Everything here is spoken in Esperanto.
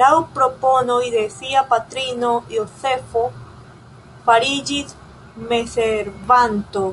Laŭ propono de sia patrino Jozefo fariĝis messervanto.